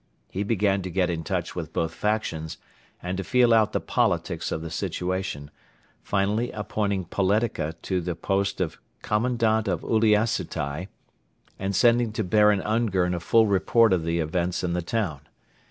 He began to get in touch with both factions and to feel out the politics of the situation, finally appointing Poletika to the post of Commandant of Uliassutai and sending to Baron Ungern a full report of the events in the town.